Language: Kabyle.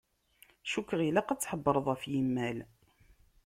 Cukkeɣ ilaq ad tḥebbreḍ ɣef yimal.